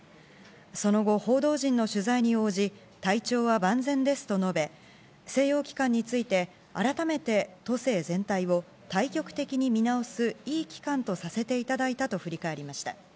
その後、報道陣の取材に応じ体調は万全ですと述べ静養期間について改めて都政全体を大局的に見直すいい期間とさせていただいたと振り返りました。